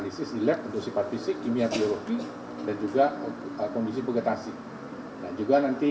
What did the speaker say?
ini akan segera dihimpakan